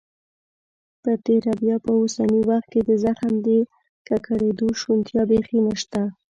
په تیره بیا په اوسني وخت کې د زخم د ککړېدو شونتیا بيخي نشته.